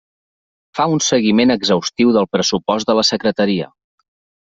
Fa un seguiment exhaustiu del pressupost de la Secretaria.